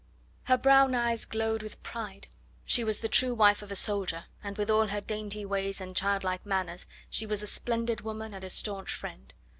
Her brown eyes glowed with pride. She was the true wife of a soldier, and with all her dainty ways and childlike manners she was a splendid woman and a staunch friend.